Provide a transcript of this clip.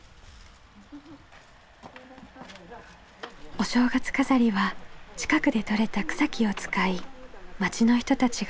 お正月飾りは近くでとれた草木を使い町の人たちが手作りしたもの。